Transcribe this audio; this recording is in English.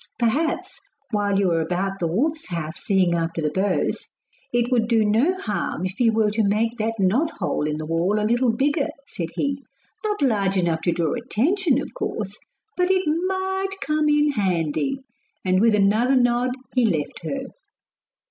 'Perhaps, while you are about the wolf's house seeing after the bows, it would do no harm if you were to make that knot hole in the wall a little bigger,' said he. 'Not large enough to draw attention, of course; but it might come in handy.' And with another nod he left her.